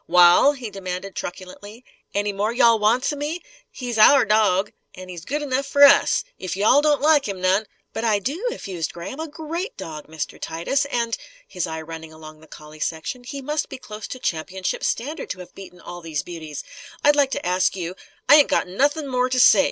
"Wal?" he demanded truculently. "Anything more you all wants o' me? He's our dawg. An' he's good enough for us. If you all don't like him none " "But I do!" effused Graham. "A great dog, Mr. Titus! And" his eye running along the collie section "he must be close to championship standard, to have beaten all of these beauties. I'd like to ask you " "I ain't got nothin' more to say!"